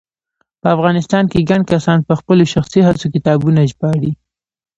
په افغانستان کې ګڼ کسان په خپلو شخصي هڅو کتابونه ژباړي